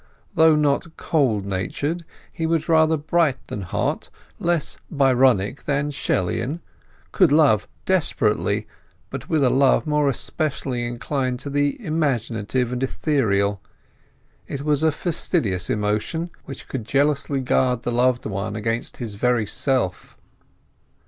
Though not cold natured, he was rather bright than hot—less Byronic than Shelleyan; could love desperately, but with a love more especially inclined to the imaginative and ethereal; it was a fastidious emotion which could jealously guard the loved one against his very self.